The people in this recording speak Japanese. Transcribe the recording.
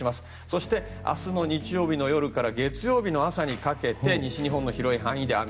そして、明日の日曜日の夜から月曜日の朝にかけて西日本の広い範囲で雨。